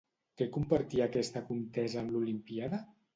Què compartia aquesta contesa amb l'Olimpíada?